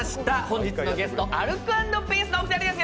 本日のゲストアルコ＆ピースのお二人です。